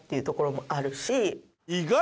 意外！